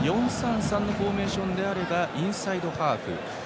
４−３−３のフォーメーションあればインサイドハーフ。